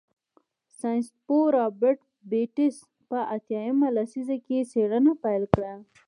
سیاستپوه رابرټ بېټس په اتیا مه لسیزه کې څېړنه پیل کړه.